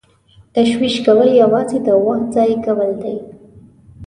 تشویش کول یوازې د وخت ضایع کول دي.